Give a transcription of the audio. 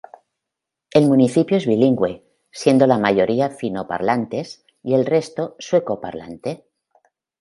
El municipio es bilingüe, siendo la mayoría fino parlantes, y el resto sueco parlante.